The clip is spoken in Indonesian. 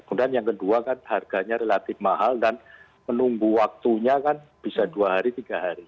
kemudian yang kedua kan harganya relatif mahal dan menunggu waktunya kan bisa dua hari tiga hari